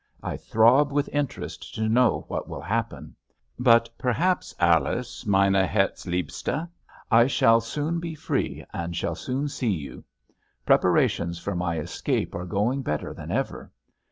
I throb with interest to know what will happen. But perhaps, Alice, meine herzliebste, I shall soon be free, and shall soon see you! Preparations for my escape are going better than ever.